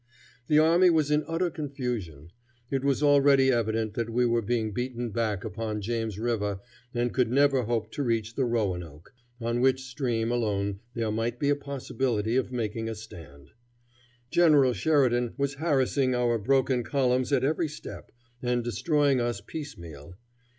The army was in utter confusion. It was already evident that we were being beaten back upon James River and could never hope to reach the Roanoke, on which stream alone there might be a possibility of making a stand. General Sheridan was harassing our broken columns at every step, and destroying us piecemeal.